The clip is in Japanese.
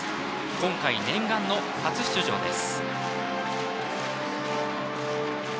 今回念願の初出場です。